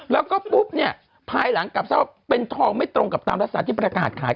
แล้วก็ปุ๊บเนี่ยภายหลังกลับเศร้าเป็นทองไม่ตรงกับตามรักษาที่ประกาศขาย